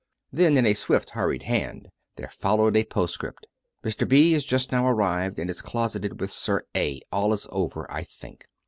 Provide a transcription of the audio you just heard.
Then, in a swift, hurried hand there followed a post script: " Mr. B. is just now arrived, and is closeted with Sir A. All is over, I think."